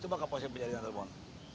coba kapolres saya penjaringan telepon